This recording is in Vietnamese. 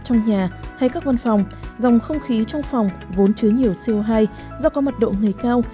trong các văn phòng dòng không khí trong phòng vốn chứa nhiều co hai do có mặt độ ngày cao